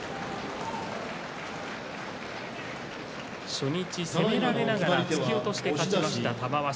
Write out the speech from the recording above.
初日、攻められながら突き落としで勝ちました玉鷲。